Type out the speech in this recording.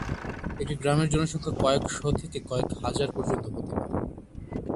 একটি গ্রামের জনসংখ্যা কয়েকশ থেকে কয়েক হাজার পর্যন্ত হতে পারে।